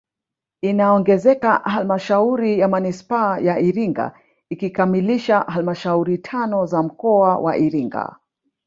Inaongezeka halmashauri ya manispaa ya Iringa ikikamilisha halmashauri tano za mkoa wa Iringa